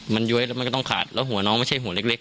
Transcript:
มันย้วยแล้วมันก็ต้องขาดแล้วหัวน้องไม่ใช่หัวเล็ก